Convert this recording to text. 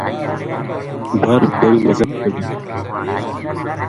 بر بڑی مزا کی کَڈی